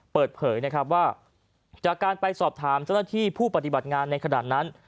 เปิดเผยนะครับว่าจากการไปสอบถามเจ้าหน้าที่ผู้ปฏิบัติงานในขณะนั้น